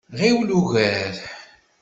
Ɣiwel ugar!